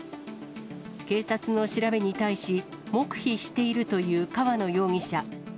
警察の調べに対し、黙秘しているという川野容疑者。